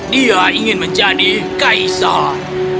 dia ingin menjadi kaisar